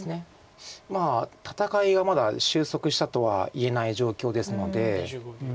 まあ戦いがまだ収束したとは言えない状況ですので。